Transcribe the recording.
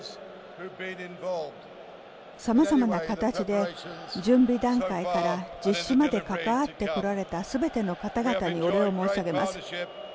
さまざまな形で、準備段階から実施まで関わってこられたすべての方々にお礼を申し上げます。